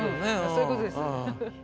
そういうことです。